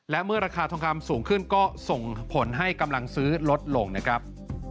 และเมื่อราคาทองคำสูงขึ้นก็ส่งผลให้กำลังซื้อลดลงนะครับ